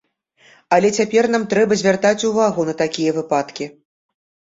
Але цяпер нам трэба звяртаць увагу на такія выпадкі.